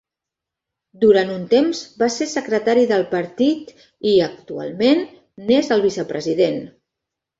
Durant un temps va ser secretari del partit i, actualment, n'és el vicepresident.